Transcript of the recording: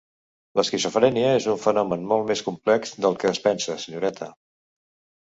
L'esquizofrènia és un fenomen molt més complex del que es pensa, senyoreta.